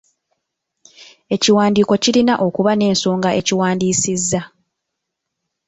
Ekiwandiiko kirina okuba n'ensonga ekiwandiisizza.